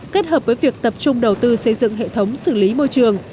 kết hợp với việc tập trung đầu tư xây dựng hệ thống xử lý môi trường